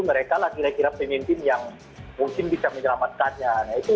mereka lah kira kira pemimpin yang mungkin bisa menyelamatkannya